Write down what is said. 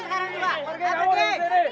pergi sekarang juga